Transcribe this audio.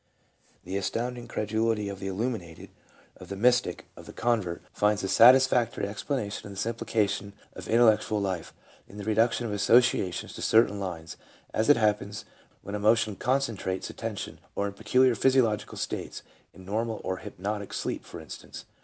The astounding credulity of the illuminated, of the PSYCHOLOGY OF RELIGIOUS PHENOMENA. 353 mystic, of the convert, finds a satisfactory explanation in the simplification of intellectual life, in the reduction of associa tions to certain lines, as it happens when emotion concen trates attention, or in peculiar physiological states, in normal and hypnotic sleep, for instance.